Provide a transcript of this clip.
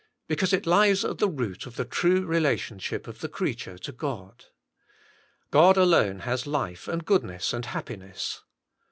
Because it lies at the root of the true relationship of the creature to God. God alone has life and goodness and happiness.